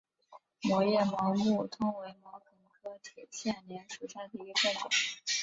膜叶毛木通为毛茛科铁线莲属下的一个变种。